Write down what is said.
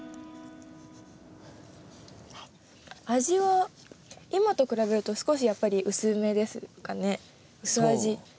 味は今と比べると少しやっぱり薄めですかね薄味。